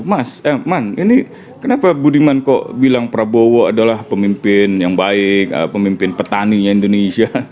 mas elman ini kenapa budiman kok bilang prabowo adalah pemimpin yang baik pemimpin petaninya indonesia